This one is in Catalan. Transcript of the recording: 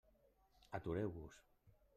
Atureu-vos!